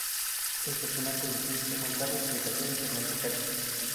El personaje del príncipe Juan Carlos recayó en Fernando Cayo.